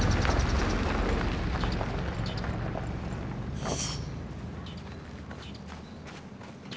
よし。